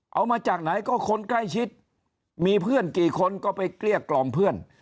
เอามาจากไหนก็คนใกล้ชิดมีเพื่อนกี่คนก็ไปเกลี้ยกล่อมเพื่อน